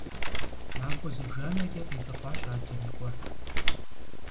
Махуэ зыбжанэкӀэ къилъыхъуащ адэм и къуэр.